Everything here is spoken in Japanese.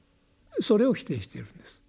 それを否定しているんです。